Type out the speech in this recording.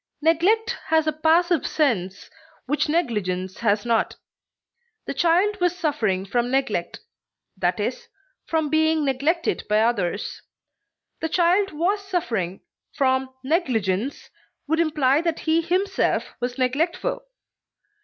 Neglect has a passive sense which negligence has not; the child was suffering from neglect, i. e., from being neglected by others; the child was suffering from negligence would imply that he himself was neglectful.